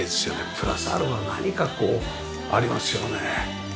プラスアルファ何かこうありますよね。